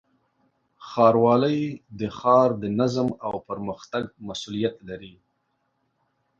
ښاروالۍ د ښار د نظم او پرمختګ مسؤلیت لري.